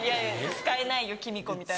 使えない。